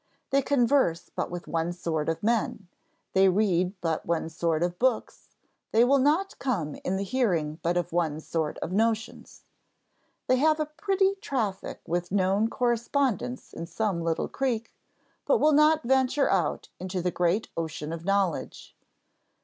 They converse but with one sort of men, they read but one sort of books, they will not come in the hearing but of one sort of notions.... They have a pretty traffic with known correspondents in some little creek ... but will not venture out into the great ocean of knowledge."